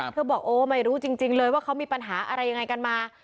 บอกโอ้ไม่รู้จริงเลยว่าเขามีปัญหาอะไรยังไงกันมา